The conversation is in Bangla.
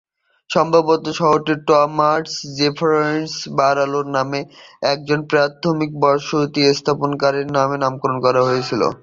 সম্ভবত শহরটি টমাস জেফারসন বারলো নামে একজন প্রাথমিক বসতি স্থাপনকারীর নামে নামকরণ করা হয়েছিল।